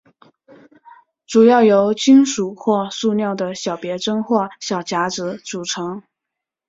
主要由金属或塑料的小别针或小夹子组成。